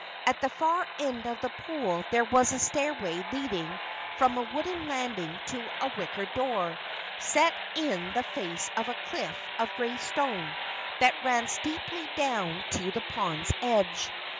At the far end of the pool there was a stairway leading from a wooden landing to a wicker door, set in the face of a cliff of grey stone that ran steeply down to the pond's edge.